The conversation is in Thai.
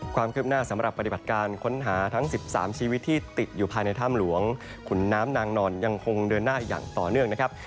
ความคืบหน้าสำหรับปฏิบัติการค้นหาทั้ง๑๓ชีวิตที่ติดอยู่ภายในถ้ำหลวงขุนน้ำนางนอนยังคงเดินหน้าอย่างต่อเนื่องนะครับ